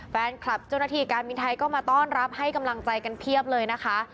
แฟนคลับเจ้าหน้าที่การบินไทยก็มาต้อนรับให้กำลังใจกันเพียบเลยนะคะ